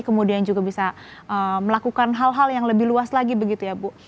kemudian juga bisa melakukan hal hal yang lebih luas lagi begitu ya bu